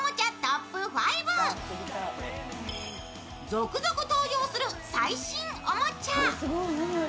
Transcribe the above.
続々登場する最新おもちゃ。